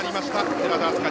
寺田明日香